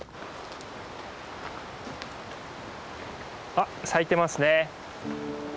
あっ咲いてますね。